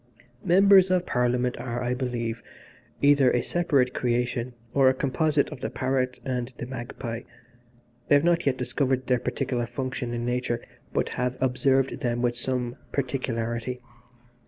"Members of Parliament are, I believe, either a separate creation or a composite of the parrot and the magpie. I have not yet discovered their particular function in nature but have observed them with some particularity.